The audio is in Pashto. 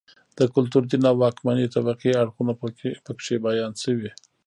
د کلتور، دین او واکمنې طبقې اړخونه په کې بیان شوي